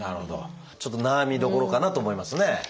ちょっと悩みどころかなと思いますね。